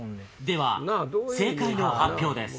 では正解の発表です。